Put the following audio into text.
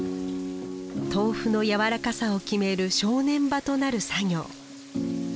豆腐のやわらかさを決める正念場となる作業。